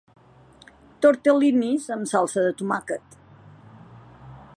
Tortel·linis amb salsa de tomàquet.